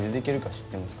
知ってます？